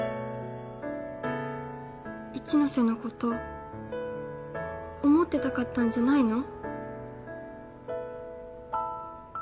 一ノ瀬のこと思ってたかったんじゃないの？